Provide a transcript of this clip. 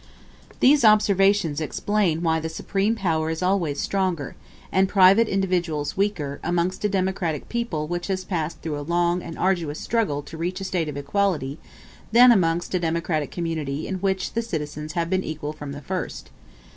These observations explain why the supreme power is always stronger, and private individuals weaker, amongst a democratic people which has passed through a long and arduous struggle to reach a state of equality than amongst a democratic community in which the citizens have been equal from the first.